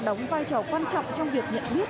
đóng vai trò quan trọng trong việc nhận biết